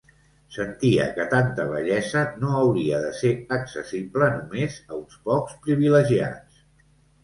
Sentia que tanta bellesa no hauria de ser accessible només a uns pocs privilegiats.